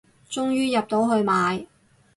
終於入到去買